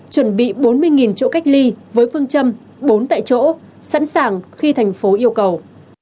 chuẩn bị bốn mươi chỗ cách ly với phương châm bốn tại chỗ sẵn sàng khi thành phố yêu cầu